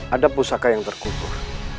ada pusaka yang terkubur